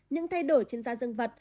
những thay đổi trên da dương vật